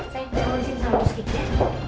sayang kamu disini samus sikit ya